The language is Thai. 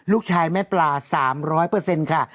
ลูกชายแม่ปลา๓๐๐ค่ะ